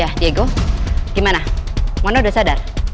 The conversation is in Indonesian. ya diego gimana mono udah sadar